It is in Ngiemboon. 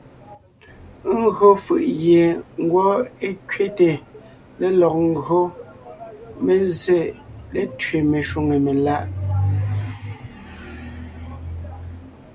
Ńgÿo fʉ̀ʼ gie ngwɔ́ é kẅéte lélɔg ńgÿo mé zsé létẅé meshwóŋè meláʼ.